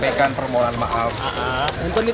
ekonomi gak bertumbuh